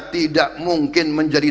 tidak mungkin menjadi